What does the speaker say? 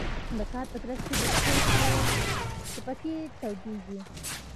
د کار په ترڅ کې د پکې تودیږي.